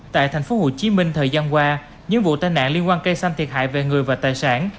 tại thành phố hồ chí minh thời gian qua những vụ tai nạn liên quan cây xanh thiệt hại về người và tài sản